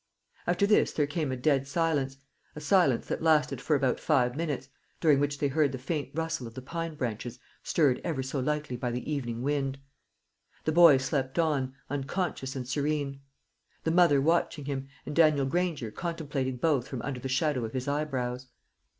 After this there came a dead silence a silence that lasted for about five minutes, during which they heard the faint rustle of the pine branches stirred ever so lightly by the evening wind. The boy slept on, unconscious and serene; the mother watching him, and Daniel Granger contemplating both from under the shadow of his eyebrows.